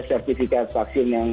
sertifikat vaksin yang